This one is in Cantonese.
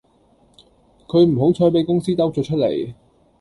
佢唔好彩比公司兜咗出嚟